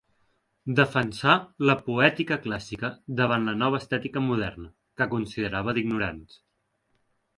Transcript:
Defensà la poètica clàssica davant la nova estètica moderna, que considerava d'ignorants.